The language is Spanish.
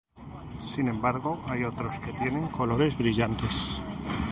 Sin embargo hay otros que tienen colores brillantes.